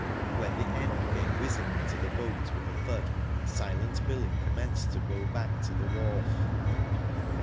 When the end came whizzing into the boat with a thud, Silent Billy'* commenced to row back to the wharf.